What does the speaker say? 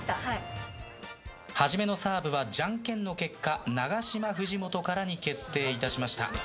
初めのサーブはじゃんけんの結果永島、藤本からに決定いたしました。